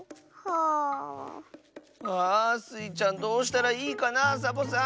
うわスイちゃんどうしたらいいかなサボさん。